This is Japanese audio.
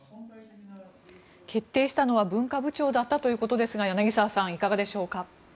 決定したのは文化部長だったということですが柳澤さん、いかがでしょうか。